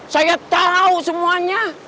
saya tahu semuanya